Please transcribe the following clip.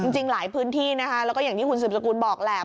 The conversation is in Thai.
จริงหลายพื้นที่นะคะแล้วก็อย่างที่คุณสืบสกุลบอกแหละ